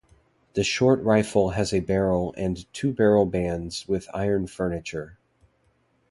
The Short Rifle has a barrel and two barrel bands with iron furniture.